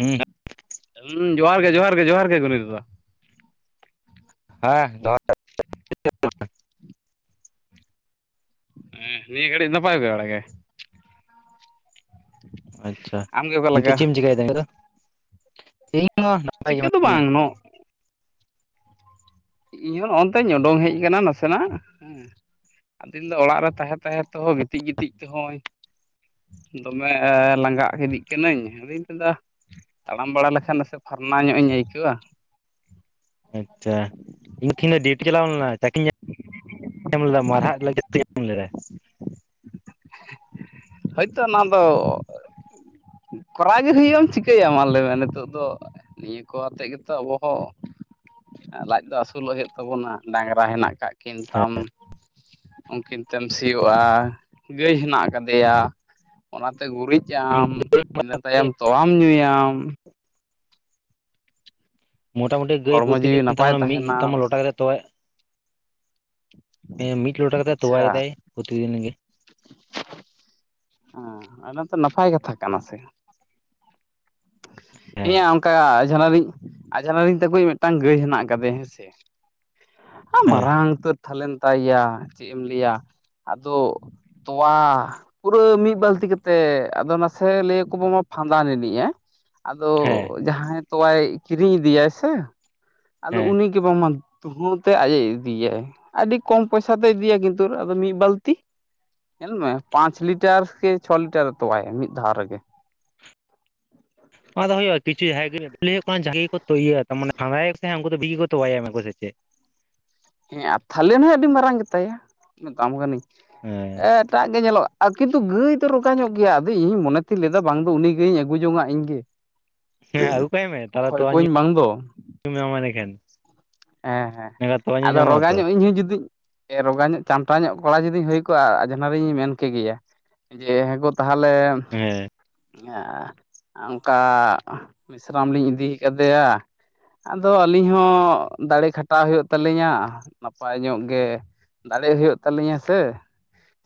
ᱤᱧᱻᱜᱟᱜ ᱾ [unintelligible] ᱩᱸᱝᱻ ᱡᱚᱦᱟᱨ ᱜᱮ, ᱡᱚᱦᱟᱨ ᱜᱮ ᱡᱚᱦᱟᱨ ᱜᱮ, ᱜᱚᱱᱤᱭᱟ ᱫᱟᱫᱟ ᱾ ᱦᱮᱸ, ᱡᱚᱦᱟᱨ ᱜᱮ ᱾ ᱮᱸᱻ ᱱᱤᱭ, ᱜᱷᱟᱹᱲᱤᱠ ᱱᱟᱯᱟᱭ ᱵᱟᱲᱟ ᱜᱮ ᱾ ᱟᱪᱪᱷᱟ! ᱟᱢᱜᱮ ᱚᱠᱟ ᱱᱤᱛᱚᱜ ᱞᱮᱠᱟ ᱪᱮᱫ ᱮᱢ ᱪᱮᱠᱟ ᱮᱫᱟ?, ᱤᱧ ᱦᱚᱸ ᱱᱟᱯᱟᱭ ᱜᱮ, ᱪᱤᱠᱟᱹ ᱫᱚ ᱢᱤᱱᱟᱹᱧᱟ ᱾ ᱵᱟᱝ ᱱᱚ ᱤᱧ ᱦᱚᱸ ᱱᱚᱜᱼᱱᱚᱛᱮᱧ ᱩᱰᱚᱝ ᱦᱮᱡ, ᱟᱠᱟᱱᱟ, ᱱᱟᱥᱮᱱᱟᱜ ᱾ ᱦᱮᱸ ᱾ ᱫᱤᱱ ᱫᱚ, ᱚᱲᱟᱜ ᱨᱮ, ᱛᱟᱦᱮᱸ ᱛᱟᱦᱮᱸ ᱛᱮᱦᱚᱸ, ᱜᱤᱛᱤᱡ ᱜᱤᱛᱤᱡ ᱛᱮᱦᱚᱸᱭ,, ᱫᱚᱢᱮᱻ ᱞᱟᱸᱜᱟᱜ, ᱤᱫᱤᱜ ᱠᱟᱹᱱᱟᱹᱧ [unintelligible] ᱮᱫᱟ ᱾ ᱛᱟᱲᱟᱢ ᱵᱟᱲᱟ ᱞᱮᱠᱷᱟᱱ, ᱱᱟᱥᱮ ᱯᱷᱟᱨᱱᱟᱣ ᱧᱚᱜ ᱤᱧ ᱟᱹᱭᱠᱟ. ᱣᱟ ᱾ ᱟᱪᱪᱷᱟ, ᱤᱧ [unintelligible] ᱫᱚ ᱰᱤᱭᱩᱴᱤ ᱪᱟᱞᱟᱣ ᱞᱮᱱᱟ ᱪᱟᱠᱤᱧ [unintelligible] ᱧᱟᱢ ᱞᱮᱫᱟ ᱾ ᱢᱟᱨᱦᱟᱜ ᱞᱟᱹᱜᱤᱫ ᱛᱮᱜᱮ ᱮᱢ ᱞᱮᱫᱟᱭ ᱾ ᱦᱳᱭᱛᱳ, ᱚᱱᱟ ᱫᱚ ᱠᱚᱨᱟᱣ ᱜᱮ, ᱦᱩᱭᱩᱜᱼᱟᱢ, ᱪᱤᱠᱟᱹᱭᱟᱢ ᱢᱟ, ᱞᱟᱹᱭ ᱢᱮ ᱱᱤᱛᱚᱜ ᱫᱚ ᱾ ᱱᱤᱭᱟᱹ ᱠᱚ, ᱟᱛᱮᱜ ᱜᱮᱛᱚ, ᱟᱵᱚ ᱦᱚ ᱾ ᱞᱟᱡ ᱫᱚ, ᱟᱹᱥᱩᱞᱚᱜ ᱦᱩᱭᱩᱜ ᱛᱟᱵᱚᱱᱟ ᱾ ᱰᱟᱝᱨᱟ ᱦᱮᱱᱟᱜ ᱟᱠᱟᱜ ᱠᱤᱱ ᱛᱟᱢ, ᱩᱱᱠᱤᱱ ᱛᱮᱢ ᱥᱤᱭᱳᱼᱟ ᱾ ᱜᱟᱹᱭ ᱦᱮᱱᱟᱜ ᱟᱠᱟᱫᱮᱭᱟ, ᱚᱱᱟᱛᱮ ᱜᱩᱨᱤᱡ ᱦᱮᱸ ᱟᱢ ᱾ ᱤᱱᱟᱹ, ᱛᱟᱭᱚᱢ ᱛᱳᱣᱟᱢ ᱧᱩᱭᱟᱢ ᱾ ᱢᱚᱴᱟ ᱢᱩᱴᱤ, ᱜᱟᱹᱭ ᱦᱚᱲᱢᱚ ᱯᱨᱚᱛᱤ ᱡᱤᱣᱤ ᱫᱤᱱ ᱛᱟᱢ, ᱱᱟᱯᱟᱭ ᱢᱤᱫ ᱛᱟᱢ ᱛᱟᱦᱮᱱᱟ ᱞᱚᱴᱟ ᱠᱟᱛᱮ, ᱛᱚᱣᱟ ᱭᱮᱜ-ᱟ ᱾ ᱦᱮᱸ, ᱢᱤᱫ ᱞᱚᱴᱟ ᱠᱟᱛᱮᱜ, ᱛᱚᱣᱟ ᱟᱪᱪᱷᱟ ᱭᱮᱫᱟᱭ ᱯᱨᱚᱛᱤ ᱫᱤᱱ ᱜᱮ ᱾ ᱟᱸᱻ ᱚᱱᱟ ᱛᱚ, ᱱᱟᱯᱟᱭ ᱠᱟᱛᱷᱟ ᱠᱟᱱᱟ ᱥᱮ ᱾ ᱦᱮᱸ ᱦᱮᱸᱭᱟ ᱚᱱᱠᱟ, ᱟᱡᱷᱱᱟᱨᱤᱧ, ᱟᱡᱷᱱᱟᱨᱤᱧ ᱛᱟᱠᱚᱭᱤᱡ, ᱢᱤᱫᱴᱟᱝ ᱜᱟᱹᱭ ᱦᱮᱱᱟᱜ ᱟᱠᱟᱫᱮ, ᱦᱮᱸ ᱥᱮ ᱾ ᱦᱮᱸ ᱢᱟᱨᱟᱝ ᱩᱛᱟᱹᱨ ᱛᱷᱟᱞᱮᱱ ᱛᱟᱭᱼᱭᱟ, ᱪᱮᱫ ᱮᱢ ᱞᱟᱹᱭᱟ, ᱟᱫᱚ ᱛᱚᱣᱟ! ᱯᱩᱨᱟᱹ ᱢᱤᱫ ᱵᱟᱹᱞᱛᱤ ᱠᱟᱛᱮᱮᱫ, ᱟᱫᱚ ᱱᱟᱥᱮ ᱞᱟᱹᱭ ᱭᱟᱠᱚ ᱵᱟᱝ ᱯᱷᱟᱸᱫᱟ ᱞᱤᱫᱤᱧᱟᱭ ᱾ ᱟᱫᱚ, ᱦᱮᱸ ᱡᱟᱦᱟᱸᱭ ᱛᱳᱣᱟᱭ ᱠᱤᱨᱤᱧ ᱤᱫᱤᱭᱟᱭ ᱥᱮ, ᱟᱫᱚ ᱦᱮᱸ ᱩᱱᱤ ᱠᱤ ᱵᱟᱝᱢᱟ, ᱫᱷᱩᱦᱟᱹᱶ ᱛᱮ, ᱟᱡ ᱮ ᱤᱫᱤᱼᱭᱟᱭ ᱾ ᱟᱹᱰᱤ ᱠᱚᱢ ᱯᱚᱭᱥᱟ ᱛᱮ, ᱤᱫᱤᱭᱟᱭ ᱾ ᱠᱤᱱᱛᱩ ᱟᱫᱚ ᱢᱤᱫ ᱵᱟᱹᱞᱛᱤ ᱾ ᱧᱮᱞ ᱢᱮ ᱯᱟᱸᱪ ᱞᱤᱴᱟᱨ ᱥᱮ ᱪᱷᱚ ᱞᱤᱴᱟᱨ ᱮ ᱛᱚᱣᱟᱭᱟ ᱢᱤᱫ ᱫᱷᱟᱣ ᱨᱮᱜᱮ᱾ ᱚᱱᱟ ᱫᱚ ᱦᱩᱭᱩᱜᱼᱟ ᱠᱤᱪᱷᱩ ᱦᱟᱭᱵᱤᱨᱤᱴ ᱞᱟᱹᱭ ᱟᱠᱚ ᱡᱟᱹᱜᱮ ᱟᱠᱚ ᱛᱚ ᱤᱭᱟᱹ ᱢᱟᱱᱮ ᱯᱷᱟᱫᱟᱭᱟᱠᱚ ᱛᱟᱦᱮᱭᱟ ᱩᱱᱠᱩ ᱫᱚ ᱵᱤᱨ ᱜᱮᱠᱟ ᱛᱚᱣᱟᱭᱟ ᱢᱮᱱᱟᱠᱚ ᱥᱮᱪᱮᱫ ᱾ ᱦᱮᱸ ᱟᱨ ᱛᱟᱦᱚᱞᱮᱱ ᱦᱚᱸ ᱟᱹᱰᱤ ᱢᱟᱨᱟᱝ ᱜᱮᱛᱟᱭᱟ ᱩᱱᱟᱹᱜ ᱫᱟᱢ ᱠᱟᱹᱱᱟᱹᱧ ᱦᱮᱸ ᱟᱴ ᱮᱴᱟᱜ ᱜᱮ ᱧᱮᱞᱚᱜᱼᱟ ᱠᱤᱱᱛᱩ ᱜᱟᱹᱭ ᱫᱚ ᱨᱠᱟ ᱧᱚᱜ ᱜᱮᱭᱟ ᱟᱫᱚ ᱤᱧᱤᱧ ᱢᱚᱱᱮ ᱛᱤᱧ ᱞᱮᱫᱟ ᱵᱟᱝ ᱫᱚ ᱩᱱᱤ ᱜᱟᱹᱭᱧ ᱟᱹᱜᱩ ᱡᱚᱝᱟ ᱤᱧ ᱜᱮ᱾ ᱦᱮᱸ ᱠᱷᱚᱭ ᱠᱩᱣᱟᱹᱧ ᱵᱟᱝ ᱫᱚ᱾ [unintelligible] ᱨᱮᱠᱷᱮᱱ ᱦᱮᱸ ᱦᱮᱸ ᱟᱫᱚ ᱨᱚᱜᱟ ᱛᱚ ᱧᱚᱜ ᱤᱧ ᱦᱚᱸ ᱡᱩᱫᱤᱧ ᱨᱚᱜᱟ ᱧᱚᱜ ᱪᱟᱢᱴᱟ ᱧᱚᱜ ᱠᱚᱲᱟ ᱡᱩᱫᱤᱧ ᱦᱩᱭ ᱠᱚᱜᱼᱟ, ᱟᱡᱷᱱᱟᱨᱤᱧ ᱢᱮᱱ ᱠᱮᱜᱮᱭᱟ ᱡᱮᱸ ᱦᱮᱸ ᱜᱚ ᱛᱟᱦᱚᱞᱮ ᱦᱮᱸ ᱟᱨ ᱚᱝᱠᱟ ᱢᱤᱥᱨᱟᱢ ᱞᱤᱧ ᱤᱫᱤ ᱠᱟᱫᱮᱭᱟ ᱟᱫᱚ ᱟᱹᱞᱤᱧ ᱦᱚᱸ ᱫᱟᱲᱮ ᱠᱷᱟᱴᱟᱣ ᱦᱩᱭᱩᱜ ᱛᱟᱹᱟᱞᱤᱧᱟ ᱱᱟᱯᱟᱭ ᱧᱚᱜ ᱜᱮ ᱫᱟᱲᱮᱜ ᱦᱩᱭᱩᱜ ᱛᱟᱹᱟᱞᱤᱧᱟ ᱥᱮ,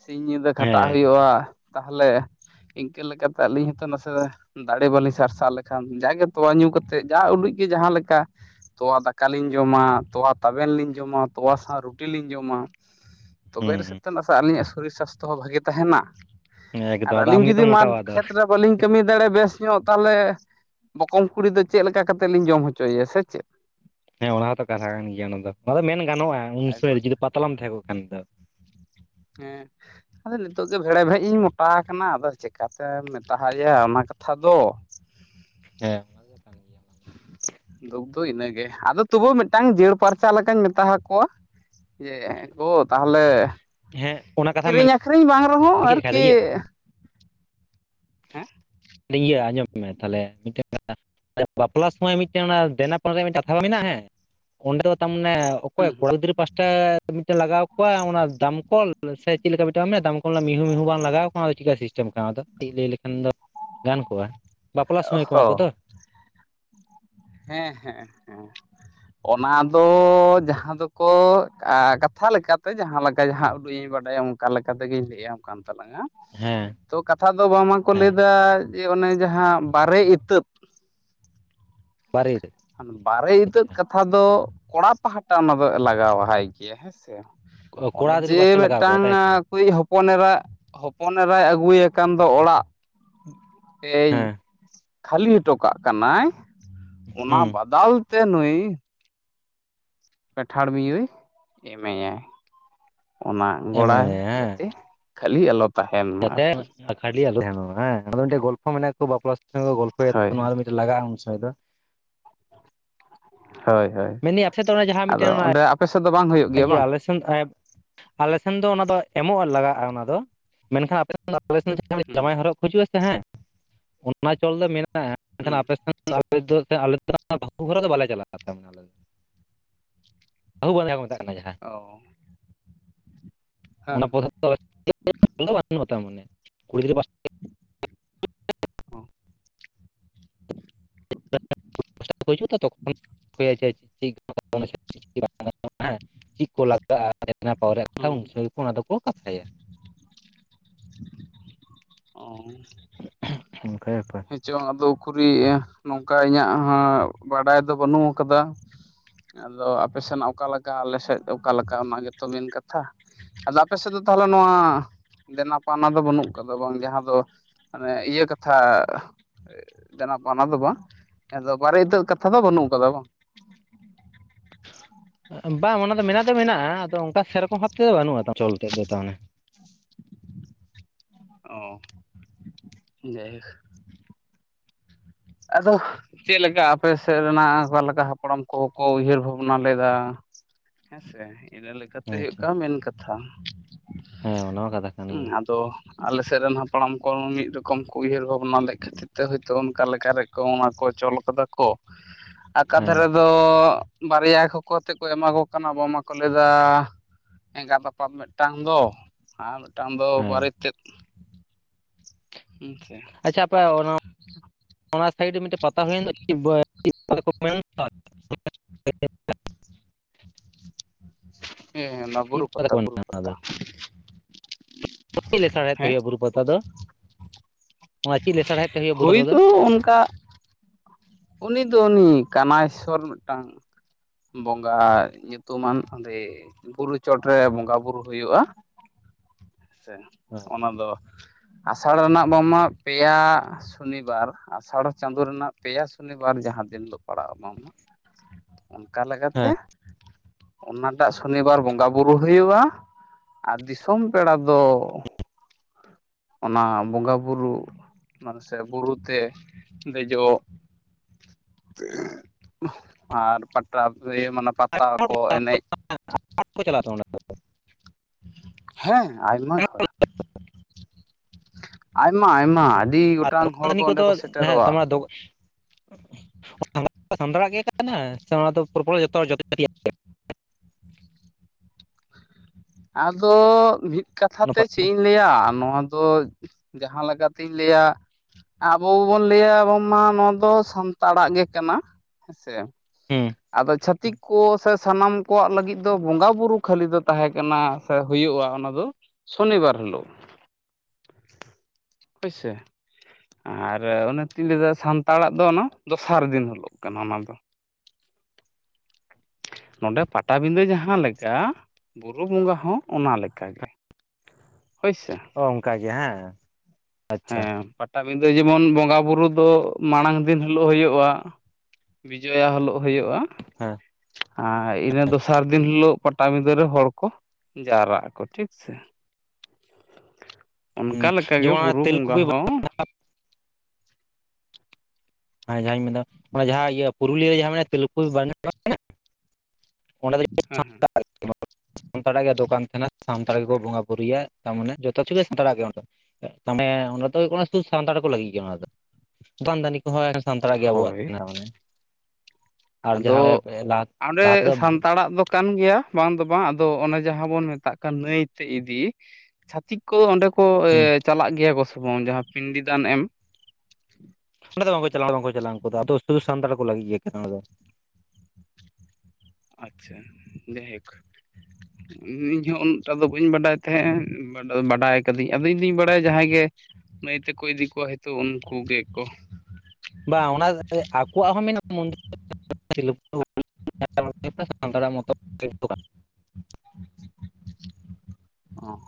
ᱥᱤᱧ ᱧᱤᱫᱟᱹ ᱠᱷᱟᱴᱟᱜ ᱦᱮᱸ ᱦᱩᱭᱩᱜᱼᱟ᱾ ᱛᱟᱦᱚᱞᱮ ᱤᱝᱠᱟᱹ ᱞᱮᱠᱟᱛᱮ ᱟᱹᱞᱤᱧ ᱦᱚᱸᱛᱚ ᱱᱟᱥᱮ ᱫᱚ ᱫᱟᱲᱮ ᱵᱟᱹᱞᱤᱧ ᱥᱟᱨᱥᱟᱣ ᱞᱮᱠᱷᱟᱱ, ᱡᱟᱜᱮ ᱛᱳᱣᱟ ᱧᱩ ᱠᱟᱛᱮᱫ ᱡᱟ ᱩᱞᱩᱡ ᱜᱮ ᱡᱟᱦᱟᱸ ᱞᱮᱠᱟ ᱛᱚᱣᱟ ᱫᱟᱠᱟ ᱞᱤᱧ ᱡᱚᱢᱟ, ᱛᱚᱣᱟ ᱛᱟᱵᱮᱱ ᱞᱤᱧ ᱡᱚᱢᱟ, ᱛᱚᱣᱟ ᱥᱟᱶ ᱨᱩᱴᱤ ᱞᱤᱧ ᱡᱚᱢᱟ᱾ ᱛᱚᱵᱮ ᱨᱮ ᱦᱩᱸ ᱥᱮᱫ ᱛᱮ ᱱᱟᱥᱮ ᱟᱹᱞᱤᱧᱟᱜ ᱥᱚᱨᱤᱨ ᱥᱟᱥᱛᱚ ᱦᱚᱸ ᱵᱷᱟᱜᱮ ᱛᱟᱦᱮᱸᱱᱟ᱾ ᱟᱨ ᱮᱠᱫᱚᱢ ᱟᱫᱚ ᱟᱹᱞᱤᱧ ᱟᱢ ᱡᱩᱫᱤ ᱜᱮᱛᱚᱢ ᱢᱟᱴ ᱢᱚᱴᱟᱣᱟ ᱟᱫᱚ ᱠᱷᱮᱛᱨᱮ ᱵᱟᱹᱞᱤᱧ ᱠᱟᱹᱢᱤ ᱫᱟᱲᱮ ᱵᱮᱥ ᱧᱚᱜ ᱛᱟᱦᱚᱞᱮ ᱢᱟᱠᱚᱢ ᱠᱩᱲᱤ ᱫᱚ ᱪᱮᱫ ᱞᱮᱠᱟ ᱠᱟᱛᱮᱫ ᱞᱤᱧ ᱡᱚᱢ ᱦᱚᱪᱚᱭᱮᱭᱟ ᱥᱮ ᱪᱮᱫ? ᱦᱮᱸ ᱚᱱᱟ ᱦᱚᱸᱛᱚ ᱠᱟᱛᱷᱟ ᱠᱟᱱ ᱜᱮᱭᱟ ᱚᱱᱟᱫᱚ ᱚᱱᱟ ᱫᱚ ᱢᱮᱱ ᱜᱟᱱᱚᱜᱼᱟ ᱩᱱ ᱥᱚᱢᱚᱭ ᱮᱠᱵᱟᱨᱮ ᱡᱩᱫᱤ ᱯᱟᱛᱞᱟᱢ ᱛᱟᱦᱮᱸ ᱠᱚᱜ ᱠᱷᱟᱱ ᱫᱚ᱾ ᱦᱮᱸ᱾ ᱟᱫᱚ ᱱᱤᱛᱚᱜ ᱜᱮ ᱵᱷᱮᱲᱮ ᱵᱷᱮᱡ ᱤᱧ ᱢᱚᱴᱟ ᱠᱟᱱᱟ ᱟᱫᱚ ᱪᱤᱠᱟᱛᱮᱢ ᱢᱮᱛᱟᱫᱭᱟ ᱚᱱᱟ ᱠᱟᱛᱷᱟ ᱫᱚ᱾ ᱦᱮᱸ ᱚᱱᱟ ᱫᱚ ᱠᱟᱱ ᱜᱮᱭᱟ᱾ ᱫᱩᱠ ᱫᱚ ᱤᱱᱟᱹᱜᱮ ᱟᱫᱚ ᱛᱚᱵᱩ ᱢᱤᱫᱴᱟᱝ ᱡᱟᱹᱲ ᱯᱟᱨᱪᱟ ᱞᱮᱠᱟᱧ ᱢᱮᱛᱟ ᱠᱚᱣᱟ, ᱡᱮ ᱜᱳ ᱛᱟᱦᱚᱞᱮ ᱦᱮᱸ ᱚᱱᱟ ᱠᱟ ᱠᱤᱨᱤᱧ ᱟᱠᱷᱨᱤᱧ ᱵᱟᱝ ᱨᱮᱦᱚᱸ ᱟᱨᱠᱤ ᱦᱮᱸ ᱤᱭᱟᱹ ᱟᱸᱡᱚᱢ ᱢᱮ ᱛᱟᱦᱞᱮ ᱢᱤᱫᱴᱮᱱ ᱠᱟᱛᱷᱟ, ᱵᱟᱯᱞᱟ ᱥᱚᱢᱚᱭ ᱢᱤᱫᱴᱮᱱ ᱚᱱᱟ ᱫᱮᱱᱟ ᱯᱟᱱᱟ ᱨᱮᱭᱟᱜ ᱢᱤᱫᱴᱮᱱ ᱠᱟᱛᱷᱟᱵᱟ ᱢᱮᱱᱟᱜᱼᱟ ᱦᱮᱸ ᱚᱸᱰᱮ ᱫᱚ ᱛᱟᱨᱢᱟᱱᱮ ᱚᱠᱚᱭ ᱦᱩᱸ ᱦᱩᱸ ᱠᱚᱲᱟ ᱜᱤᱫᱽᱨᱟᱹ ᱯᱟᱥᱴᱟ ᱢᱤᱫᱴᱮᱱ ᱞᱟᱜᱟᱣ ᱠᱚᱣᱟ ᱚᱱᱟ ᱫᱟᱢᱠᱚᱞ ᱥᱮ ᱪᱮᱫ ᱞᱮᱠᱟ ᱢᱤᱫᱴᱟᱝ ᱢᱮ ᱫᱟᱢᱠᱚᱞ ᱨᱮᱱᱟᱜ ᱢᱤᱦᱩ ᱢᱤᱦᱩ ᱵᱟᱝ ᱞᱟᱜᱟᱣ ᱱᱚᱣᱟᱫᱚ ᱪᱮᱠᱟ ᱥᱤᱥᱴᱮᱢ ᱠᱟᱱᱟᱫᱚ ᱠᱟᱹᱴᱤᱡ ᱞᱟᱹᱭ ᱞᱮᱠᱷᱟᱱ ᱫᱚ ᱜᱟᱱ ᱠᱚᱜᱼᱟ, ᱵᱟᱯᱞᱟ ᱥᱩᱢᱚᱭ ᱠᱚ ᱮᱢᱟ ᱚᱦᱚ ᱠᱚᱫᱚ ᱦᱮᱸ ᱦᱮᱸ ᱦᱮᱸ᱾ ᱚᱱᱟ ᱫᱚ ᱡᱟᱦᱟᱸ ᱫᱚᱠᱚ ᱟ ᱠᱟᱛᱷᱟ ᱞᱮᱠᱟᱛᱮ ᱡᱟᱦᱟᱸ ᱞᱮᱠᱟ ᱡᱟᱦᱟᱸ ᱩᱰᱩᱠᱤᱧ ᱵᱟᱰᱟᱭᱟ ᱚᱝ ᱠᱟ ᱞᱮᱠᱟ ᱛᱮᱜᱤᱧ ᱞᱟᱹᱭ ᱟᱢ ᱠᱟᱱ ᱛᱞᱟᱝᱼᱟ ᱦᱮᱸ᱾ ᱛᱚ ᱠᱟᱛᱷᱟ ᱫᱚ ᱵᱟᱝᱢᱟᱠᱚ ᱦᱮᱸ ᱞᱟᱹᱭᱫᱟ ᱡᱮ ᱚᱱᱮ ᱡᱟᱦᱟᱸ ᱵᱟᱨᱮ ᱤᱛᱟᱹᱫ ᱵᱟᱨᱮ ᱤᱛᱟᱹᱫ? ᱦᱟᱸᱱᱮ ᱵᱟᱨᱮ ᱤᱛᱟᱹᱫ ᱠᱟᱛᱷᱟ ᱫᱚ ᱠᱚᱲᱟ ᱯᱟᱦᱴᱟ ᱚᱱᱟ ᱫᱚ ᱞᱟᱜᱟᱣᱟᱭ ᱜᱮᱭᱟ ᱦᱮᱸᱥᱮ᱾ ᱚᱱᱮ ᱠᱚᱲᱟ ᱜᱤᱫᱽᱨᱟᱹ ᱡᱮ ᱯᱟᱥᱴᱟ ᱞᱟᱜᱟᱣ ᱠᱚᱣᱟ ᱢᱤᱫᱴᱟᱝ ᱛᱟᱭᱛᱚ ᱟᱠᱚᱣᱤᱡ ᱦᱚ ᱯᱚᱱ ᱮᱨᱟ ᱦᱚᱯᱚᱱ ᱮᱨᱟᱭ ᱟᱹᱜᱩ ᱠᱟᱱ ᱫᱚ ᱚᱲᱟᱜ ᱮᱭ ᱦᱮᱸ ᱠᱷᱟᱹᱞᱤ ᱦᱚᱴᱚ ᱠᱟᱜ ᱠᱟᱱᱟᱭ ᱚᱱᱟ ᱦᱩᱸ ᱵᱟᱫᱟᱞ ᱛᱮ ᱱᱩᱭ ᱯᱮᱸᱴᱷᱟᱲ ᱢᱤᱭᱩ ᱮᱢᱮᱭᱟᱭ ᱚᱱᱟ ᱜᱚᱲᱟ ᱮᱢᱟᱭᱟᱭ ᱦᱮᱸ ᱡᱟᱛᱮ ᱠᱷᱟᱞᱤ ᱟᱞᱚ ᱛᱟᱦᱮᱱ ᱢᱟ ᱡᱟᱛᱮ ᱟᱨᱠᱤ ᱠᱷᱟᱹᱞᱤ ᱟᱞᱚ [unintelligible] ᱦᱮᱸ ᱟᱫᱚ ᱢᱤᱫᱴᱟᱡ ᱜᱚᱞᱯᱚ ᱢᱟᱱᱮᱜ ᱛᱚ ᱵᱟᱯᱞᱟ ᱦᱳᱭ [unintelligible] ᱞᱟᱜᱟᱜᱼᱟ ᱩᱱᱥᱚᱭ ᱫᱚᱼᱼ ᱦᱳᱭ ᱦᱳᱭ ᱢᱮᱱᱫᱟᱹᱧ ᱟᱯᱮ ᱥᱮᱫ ᱫᱚ ᱚᱱᱟ ᱡᱟᱦᱟᱸ ᱢᱤᱫᱴᱮᱱ ᱟᱫᱚ ᱚᱱᱟ ᱚᱸᱰᱮ ᱟᱯᱮ ᱥᱮᱫ ᱫᱚ ᱵᱟᱝ ᱦᱩᱭᱩᱜᱼᱟ ᱤᱭᱟᱹ ᱟᱞᱮ ᱥᱮᱼᱼ [unintelligible] ᱟᱞᱮ ᱥᱮᱱ ᱫᱚ ᱚᱱᱟ ᱫᱚ ᱮᱢᱚᱜᱼᱟ ᱞᱟᱜᱟᱜᱼᱟ ᱚᱱᱟ ᱫᱚ ᱢᱮᱱ ᱠᱷᱟᱱ ᱟᱯᱮ [inaudible] [inaudible] ᱦᱩᱸ ᱡᱟᱶᱟᱭ ᱦᱚᱨᱚᱜ ᱦᱤᱡᱩᱜ ᱟᱥᱮ ᱦᱮᱸ ᱚᱱᱟ ᱪᱚᱞ ᱫᱚ ᱢᱮᱱᱟᱜᱼᱟ ᱮᱠᱷᱟᱱ ᱦᱩᱸ ᱟᱯᱮ ᱥᱮᱱᱼᱼ [unintelligible] ᱟᱞᱮ ᱫᱚ ᱟᱞᱮ ᱫᱚ ᱵᱟᱹᱦᱩ ᱦᱚᱨᱟ ᱫᱚ ᱵᱟᱞᱮ ᱪᱟᱞᱟᱜ [unintelligible] [unintelligible] ᱚᱻ [unintelligible] ᱚᱜ [inaudible] [unintelligible] ᱦᱮᱸ ᱪᱮᱫ ᱠᱚ ᱞᱟᱜᱟᱜᱼᱟ [unintelligible] ᱠᱟᱛᱷᱟ ᱦᱩᱸ ᱩᱱ ᱥᱚᱢᱚᱭ ᱚᱱᱟ ᱫᱚ ᱠᱚ ᱠᱟᱛᱷᱟᱭᱟ ᱚᱝ ᱚᱱᱠᱟ ᱵᱮᱯᱟᱨᱼᱼ ᱦᱮᱪᱚᱝ ᱟᱫᱚ ᱩᱠᱨᱤᱡ ᱱᱚᱝᱠᱟ ᱤᱧᱟᱹᱜ ᱦᱚᱸ ᱵᱟᱰᱟᱭ ᱫᱚ ᱵᱟᱹᱱᱩᱜ ᱠᱟᱫᱟ ᱟᱫᱚ ᱟᱯᱮ ᱥᱮᱱᱟᱜ ᱚᱠᱟ ᱞᱮᱠᱟ ᱟᱞᱮ ᱥᱮᱫ ᱚᱠᱟ ᱞᱮᱠᱟ ᱚᱱᱟ ᱜᱮᱛᱚ ᱢᱮᱱ ᱠᱟᱛᱷᱟ ᱟᱫᱚ ᱟᱯᱮ ᱥᱮᱫ ᱫᱚ ᱛᱟᱦᱚᱞᱮ ᱱᱚᱣᱟ ᱫᱮᱱᱟ ᱯᱟᱣᱱᱟ ᱫᱚ ᱵᱟᱹᱱᱩᱜ ᱠᱟᱫᱟ ᱵᱟᱝ ᱡᱟᱦᱟᱸ ᱫᱚᱼᱼ ᱢᱟᱱᱮ ᱤᱭᱟᱹ ᱠᱟᱛᱷᱟᱼᱼ ᱫᱮᱱᱟ ᱯᱟᱣᱱᱟ ᱫᱚ ᱵᱟᱝ ᱮᱫᱚ ᱵᱟᱨᱮ ᱤᱛᱟᱹ ᱠᱟᱛᱷᱟ ᱫᱚ ᱵᱟᱹᱱᱩᱜ ᱠᱟᱫᱟ ᱵᱟᱝ ᱵᱟᱝ ᱚᱱᱟ ᱫᱚ ᱢᱮᱱᱟᱜ ᱫᱚ ᱢᱮᱱᱟᱜᱼᱟ ᱟᱫᱚ ᱚᱱᱠᱟ ᱥᱮᱨᱚᱠᱚᱢ ᱵᱷᱟᱵ ᱛᱮᱫᱚ ᱵᱟᱹᱱᱩᱜᱼᱟ [unintelligible] ᱫᱚ ᱛᱟᱱᱮ ᱚ ᱡᱟᱭ ᱦᱳᱠᱼᱼ ᱟᱫᱚᱼᱼ ᱪᱮᱫ ᱞᱮᱠᱟ ᱟᱯᱮ ᱥᱮᱫ ᱨᱮᱱᱟᱜ ᱚᱠᱟ ᱞᱮᱠᱟ ᱦᱟᱯᱲᱟᱢ ᱠᱚ ᱦᱚᱸ ᱠᱚ ᱩᱭᱦᱟᱹᱨ ᱵᱷᱟᱵᱽᱱᱟ ᱞᱮᱫᱟ ᱦᱮᱸ ᱥᱮ ᱤᱨᱟᱞᱼᱼ ᱠᱟᱛᱮ ᱦᱩᱭᱩᱜ ᱟᱪᱪᱷᱟ ᱠᱟᱱᱟ ᱢᱮᱱ ᱠᱟᱛᱷᱟ ᱦᱮᱸ ᱚᱱᱟ ᱢᱟ ᱠᱟᱛᱷᱟ ᱠᱟᱱ ᱦᱩᱸ ᱜᱮᱭᱟ ᱟᱫᱚᱼᱼ ᱟᱞᱮ ᱥᱮᱫ ᱨᱮᱱ ᱦᱟᱯᱲᱟᱢ ᱠᱚ ᱢᱤᱫ ᱨᱚᱠᱚᱢ ᱠᱚ ᱩᱭᱦᱟᱹᱨ ᱵᱷᱟᱵᱱᱟ ᱞᱮᱫ ᱠᱷᱟᱹᱛᱤᱨ ᱛᱮ ᱦᱳᱭᱛᱳ ᱚᱱᱠᱟ ᱞᱮᱠᱼᱼ ᱠᱷᱟᱨᱮᱡ ᱠᱚ ᱚᱱᱟ ᱠᱚ ᱪᱚᱞ ᱠᱟᱫᱟ ᱠᱚ ᱟᱠᱟ ᱦᱮᱸ ᱫᱷᱟᱨᱮᱼᱼ ᱟᱫᱚ ᱵᱟᱨᱭᱟ ᱠᱚ ᱠᱚ ᱟᱛᱮᱫ ᱠᱚ ᱮᱢᱟ ᱠᱚ ᱠᱟᱱᱟ ᱟᱵᱚ ᱢᱟᱠᱚ ᱞᱟᱭ ᱫᱟ ᱮᱸᱜᱟᱛ ᱟᱯᱟᱛ ᱢᱤᱫᱴᱟᱝ ᱫᱚ ᱟᱨ ᱢᱤᱫᱴᱟᱝ ᱫᱚ ᱦᱮᱸ ᱵᱟᱨ ᱛᱮᱫᱼᱼ ᱟᱪᱪᱷᱟ ᱟᱯᱮ ᱚᱱᱟᱼᱼ ᱚᱱᱟ ᱥᱟᱭᱤᱰ ᱨᱮ ᱢᱤᱫᱴᱮᱡ ᱯᱟᱛᱟ ᱦᱩᱭᱮᱱ ᱫᱚ [unintelligible] ᱦᱮᱸ ᱚᱱᱟ ᱵᱩᱨᱩ ᱪᱮᱫ ᱯᱟᱛᱟ ᱠᱚ ᱵᱩᱨᱩ ᱢᱮᱱᱟ ᱯᱟᱛᱟ ᱪᱮᱫ ᱞᱮ ᱥᱟᱬᱦᱮᱫ ᱛᱮ ᱦᱮᱸ ᱦᱩᱭᱩᱜᱼᱟ ᱵᱩᱨᱩ ᱯᱟᱛᱟ ᱫᱚ ᱱᱚᱣᱟ ᱪᱮᱫ ᱞᱮ ᱥᱮᱬᱦᱮᱫ ᱛᱮ ᱦᱩᱭᱩᱜᱼᱟ ᱵᱩᱨᱩ ᱯᱟᱛᱟ ᱫᱚ ᱛᱚ ᱚᱱᱠᱟᱼᱼ ᱩᱱᱤ ᱫᱚ ᱩᱱᱤ ᱠᱟᱱᱟᱭᱥᱥᱚᱨ ᱢᱮᱫᱴᱟᱝᱼᱼ ᱵᱚᱸᱜᱟ ᱧᱩᱛᱩᱢᱟᱱ ᱚᱸᱰᱮ ᱵᱩᱨᱩ ᱪᱚᱴ ᱨᱮ ᱵᱚᱸᱜᱟ ᱵᱩᱨᱩ ᱦᱳᱭᱳᱜᱼᱟ ᱥᱮᱼᱼ ᱦᱳᱭ ᱚᱱᱟ ᱫᱚ ᱟᱥᱟᱲ ᱨᱮᱱᱟᱜ ᱵᱟᱝ ᱢᱟ ᱯᱮᱭᱟᱼᱼ ᱥᱚᱱᱤᱵᱟᱨ ᱟᱥᱟᱲ ᱪᱟᱸᱫᱳ ᱨᱮᱱᱟᱜ ᱯᱮᱭᱟ ᱥᱚᱱᱤᱵᱟᱨ ᱡᱟᱦᱟᱸ ᱫᱤᱱ ᱫᱚ ᱯᱟᱲᱟᱜ ᱢᱟ ᱚᱠᱟ ᱞᱮᱠᱟ ᱛᱮ ᱦᱮᱸ ᱚᱱᱟᱴᱟᱜ ᱥᱚᱱᱤᱵᱟᱨ ᱵᱚᱸᱜᱟ ᱵᱩᱨᱩ ᱦᱩᱭᱩᱜᱼᱟ ᱟᱨ ᱫᱤᱥᱚᱢ ᱯᱮᱲᱟ ᱫᱚ ᱚᱱᱟ ᱵᱚᱸᱜᱟ ᱵᱩᱨᱩ ᱢᱟᱱᱮ ᱥᱮ ᱵᱩᱨᱩ ᱛᱮ ᱫᱮᱡᱚᱜ ᱟᱨ ᱯᱟᱴᱟᱵ ᱨᱮ ᱢᱟᱱᱟ ᱯᱟᱛᱟ ᱠᱚ ᱮᱱᱮᱡᱼᱼ [unintelligible] ᱠᱚ ᱪᱟᱞᱟᱜ ᱛᱟᱵᱚᱱᱟ ᱛᱚᱼᱼ ᱦᱮᱸ ᱟᱭᱢᱟ ᱜᱷᱚᱲᱟ, ᱟᱭᱢᱟ-ᱟᱭᱢᱟ ᱟᱹᱰᱤ ᱜᱚᱴᱟᱝ ᱦᱚᱲ ᱠᱚ ᱫᱚᱠᱟᱱᱫᱟᱱᱤ ᱚᱸᱰᱮ ᱠᱚᱫᱚ ᱠᱚ ᱦᱮᱸ ᱥᱮᱴᱮᱨᱚᱜ-ᱟ, [unintelligible] ᱥᱟᱱᱛᱟᱲᱟᱜ ᱜᱮ ᱠᱟᱱᱟ ᱥᱮ ᱱᱚᱣᱟ ᱫᱚ ᱡᱷᱚᱛᱚ ᱡᱟᱹᱛᱤᱭᱟᱜ? ᱟᱫᱚ, ᱢᱤᱫ ᱠᱟᱛᱷᱟ ᱚᱱᱟ ᱛᱮ ᱯᱟᱛᱟ ᱪᱮᱜ ᱫᱚ ᱤᱧᱼᱼ ᱞᱟᱹᱭᱟ, ᱱᱚᱣᱟ ᱫᱚ ᱡᱟᱦᱟᱸ ᱞᱮᱠᱟ ᱛᱤᱧ ᱞᱟᱹᱭᱟᱼᱼ ᱟᱵᱚ ᱵᱚᱱ ᱞᱟᱹᱭᱟ ᱵᱟᱝᱢᱟ ᱱᱚᱣᱟ ᱫᱚ ᱥᱟᱱᱛᱟᱲᱟᱜ ᱜᱮ ᱠᱟᱱᱟ, ᱦᱮᱸᱥᱮᱼᱼ ᱦᱩᱸ ᱟᱫᱚ ᱪᱷᱟᱹᱛᱤᱠ ᱠᱚ ᱥᱮ ᱥᱟᱱᱟᱢ ᱠᱚᱣᱟᱜ ᱞᱟᱹᱜᱤᱫ ᱫᱚ ᱵᱚᱸᱜᱟ ᱵᱩᱨᱩᱳ ᱠᱷᱟᱹᱞᱤ ᱫᱚ ᱛᱟᱦᱮᱸᱼᱼ ᱠᱟᱱᱟ, ᱥᱮ ᱦᱩᱭᱩᱜ-ᱟ ᱚᱱᱟ ᱫᱚ ᱥᱚᱱᱤᱵᱟᱨ ᱦᱤᱞᱳᱜᱼᱼ ᱦᱳᱭᱥᱮ ᱟᱨ ᱚᱱᱟᱛᱤᱧ ᱞᱟᱹᱭᱫᱟ ᱥᱟᱱᱛᱟᱲᱟᱜ ᱫᱚ ᱚᱱᱟ ᱫᱚᱥᱟᱨ ᱫᱤᱱ ᱦᱤᱞᱳ ᱠᱟᱱᱟ ᱚᱱᱟ ᱫᱚ, [inaudible] ᱱᱚᱸᱰᱮ ᱯᱟᱴᱟᱵᱤᱸᱫᱟᱹ ᱡᱟᱦᱟᱸ ᱞᱮᱠᱟ, ᱵᱩᱨᱩ ᱵᱚᱸᱜᱟ ᱦᱚᱸ ᱚᱱᱟ ᱞᱮᱠᱟᱜᱮ᱾ ᱦᱳᱭ ᱥᱮ, ᱚ ᱚᱱᱠᱟ ᱜᱮ, ᱦᱮᱸ? ᱦᱮ, ᱟᱪᱪᱷᱟ ᱯᱟᱴᱟᱵᱤᱫᱟᱹ ᱡᱮᱢᱚᱱ ᱵᱚᱸᱜᱟ ᱵᱩᱨᱩ ᱫᱚ ᱢᱟᱲᱟᱝ ᱫᱤᱱ ᱦᱤᱞᱳᱜ ᱦᱩᱭᱩᱜ-ᱟ, ᱵᱤᱡᱚᱭᱟ ᱦᱳᱞᱚᱜ ᱦᱩᱭᱩᱜ-ᱟ᱾ ᱦᱮᱸ ᱟᱸ ᱤᱱᱟᱹ ᱫᱚᱥᱟᱨ ᱫᱤᱱ ᱦᱤᱞᱳᱜ ᱯᱟᱴᱟᱵᱤᱸᱫᱟᱹ ᱨᱮ ᱦᱚᱲ ᱠᱚᱼᱼ ᱡᱟᱣᱨᱟᱜ ᱟᱠᱚ ᱴᱷᱤᱠ ᱥᱮ, [inaudible] ᱚᱱᱠᱟ ᱞᱮᱠᱟᱜᱮ ᱡᱮᱢᱚᱱ ᱚᱱᱟ ᱵᱩᱨᱩ ᱵᱚᱸᱜᱟ ᱛᱮᱞᱠᱩᱯᱤ ᱦᱚᱸᱼᱼ ᱟᱸ ᱡᱟᱦᱟᱸᱧ ᱢᱮᱱᱫᱟ ᱚᱱᱟ ᱡᱟᱦᱟᱸ ᱤᱭᱟᱹ ᱯᱩᱨᱩᱞᱤᱭᱟᱹ ᱨᱮ ᱡᱟᱦᱟᱸ ᱢᱮᱱᱟᱜ-ᱟ ᱛᱤᱞᱠᱩᱯᱤ ᱵᱟᱨᱱᱤ ᱜᱷᱟᱴ ᱡᱟᱦᱟ ᱢᱮᱱᱟᱜ-ᱟᱼᱼ ᱚᱸᱰᱮ ᱫᱚ [unintelligible] ᱥᱟᱱᱛᱟᱲᱟᱜ ᱜᱮ ᱫᱚᱠᱟᱱ ᱛᱟᱦᱮᱸᱱᱟ, ᱥᱟᱱᱛᱟᱲ ᱜᱮᱠᱚ ᱵᱚᱸᱜᱟ-ᱵᱩᱨᱩᱭᱟ ᱛᱟᱢᱟᱱᱮ ᱡᱚᱛᱚ ᱠᱤᱪᱷᱩ ᱜᱮ ᱥᱟᱱᱛᱟᱲ-ᱟᱜ ᱜᱮ ᱚᱰᱮ ᱫᱚ, ᱢᱟᱱᱮ, ᱚᱰᱮ ᱫᱚ ᱦᱩᱭᱩᱜ ᱠᱟᱱᱟ ᱥᱟᱱᱛᱟᱲ ᱠᱚ ᱞᱟᱹᱜᱤᱫ ᱜᱮ ᱚᱱᱟ ᱫᱚ᱾ ᱫᱟᱱ-ᱫᱟᱱᱤᱼᱼ ᱦᱳᱭ, ᱥᱟᱱᱛᱟᱲᱟᱜ ᱜᱮ ᱟᱵᱚᱣᱟᱜ ᱦᱳᱭ ᱠᱟᱱᱟ ᱢᱟᱱᱮ, ᱟᱨ ᱟᱫᱚ ᱡᱟᱦᱟᱸ ᱞᱟᱦᱟ ᱚᱸᱰᱮ ᱞᱟᱦᱟ ᱛᱮᱫᱚ ᱥᱟᱱᱛᱟᱲᱟᱜ ᱫᱚᱼᱼ ᱠᱟᱱ ᱜᱮᱭᱟ ᱵᱟᱝ ᱫᱚ ᱵᱟᱝ ᱟᱫᱚ ᱚᱱᱮ ᱡᱟᱦᱟᱸ ᱵᱚᱱ ᱢᱮᱛᱟᱜ ᱠᱟᱱ ᱱᱟᱹᱭ ᱛᱮ ᱤᱫᱤᱼᱼ ᱪᱷᱟᱛᱤᱠ ᱠᱚ ᱚᱸᱰᱮ ᱠᱚ ᱦᱩᱸ ᱪᱟᱞᱟᱜ ᱜᱮᱭᱟ ᱠᱚ ᱥᱮ ᱵᱟᱝ? ᱡᱟᱦᱟᱸ ᱯᱤᱱᱰᱤ ᱫᱟᱱ ᱮᱢ, ᱚᱸᱰᱮ ᱫᱚ ᱵᱟᱝ ᱠᱚ ᱪᱞᱟᱜ-ᱟ ᱵᱟᱝᱠᱚ ᱪᱟᱟᱜ-ᱟ ᱩᱱᱠᱩ ᱟᱫᱚ, ᱥᱩᱫᱩ ᱥᱟᱱᱛᱟᱲ ᱠᱚ ᱞᱟᱹᱜᱤᱫ ᱜᱮ ᱠᱟᱱᱟ ᱚᱱᱟ ᱫᱚ᱾ ᱟᱪᱪᱷᱟ ᱡᱟᱭ ᱦᱳᱠ, [inaudible] ᱤᱧᱦᱚᱸ ᱩᱱᱟᱹᱜ ᱴᱟ ᱫᱚ ᱵᱟᱹᱧ ᱵᱟᱰᱟᱭ ᱛᱟᱦᱮᱸᱜ-ᱟ, ᱵᱟᱰᱟᱭ ᱠᱟᱹᱫᱟᱹᱧ ᱟᱫᱚ ᱤᱧ ᱫᱤᱧ ᱵᱟᱲᱟᱭᱟ ᱡᱟᱦᱟᱸᱭ ᱜᱮᱼᱼ ᱱᱟᱹᱭ ᱛᱮᱠᱚ ᱤᱫᱤ ᱠᱚᱣᱟ ᱦᱚᱭᱛᱳ ᱩᱱᱠᱩ ᱜᱮᱠᱚᱼᱼ ᱵᱟᱝ ᱚᱱᱟ ᱫᱮ [unintelligible] ᱟᱠᱚᱣᱟᱜ ᱦᱚᱸ ᱢᱮᱱᱟᱜ-ᱟ [unintelligible] [unintelligible] ᱚᱸ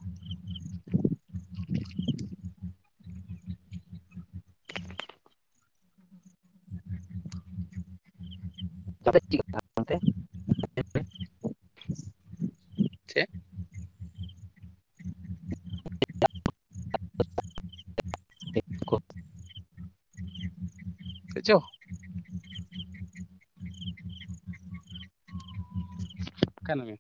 [unintelligible] [unintelligible] ᱪᱮᱜᱼᱼ ᱪᱮᱜ ᱠᱚ, ᱪᱮᱫ ᱪᱚ ᱠᱟᱱ ᱜᱮᱭᱟ,